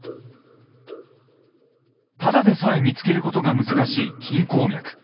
ただでさえ見つけることが難しい金鉱脈。